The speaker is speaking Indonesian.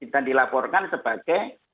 dan dilaporkan sebagai